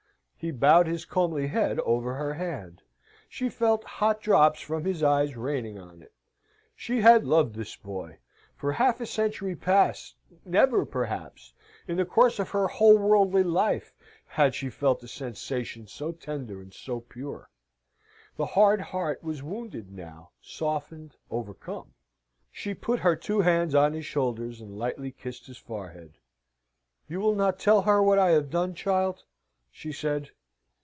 He bowed his comely head over her hand. She felt hot drops from his eyes raining on it. She had loved this boy. For half a century past never, perhaps, in the course of her whole worldly life, had she felt a sensation so tender and so pure. The hard heart was wounded now, softened, overcome. She put her two hands on his shoulders, and lightly kissed his forehead. "You will not tell her what I have done, child?" she said.